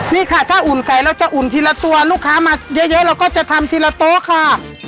นี่ค่ะถ้าอุ่นไก่เราจะอุ่นทีละตัวลูกค้ามาเยอะเราก็จะทำทีละโต๊ะค่ะ